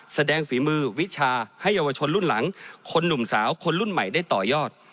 ฝีมือวิชาให้เยาวชนรุ่นหลังคนหนุ่มสาวคนรุ่นใหม่ได้ต่อยอด